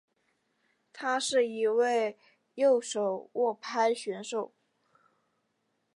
他是一位右手握拍选手。